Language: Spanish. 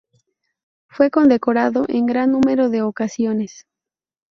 Fue condecorado en gran número de ocasiones.